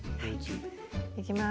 いきます。